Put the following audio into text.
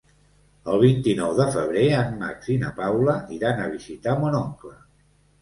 El vint-i-nou de febrer en Max i na Paula iran a visitar mon oncle.